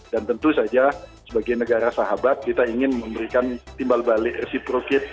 dan tentu saja sebagai negara sahabat kita ingin memberikan timbal balik reciprocate